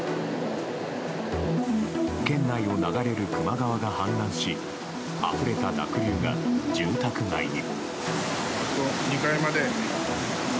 県内を流れる球磨川が氾濫しあふれた濁流が住宅街に。